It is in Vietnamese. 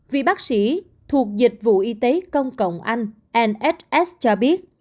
vì bác sĩ thuộc dịch vụ y tế công cộng anh nhs cho biết